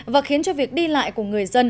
và khiến cho việc đi lại của người dân